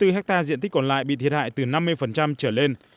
sáu mươi bốn ha diện tích còn lại bị thiệt hại từ năm mươi trở lên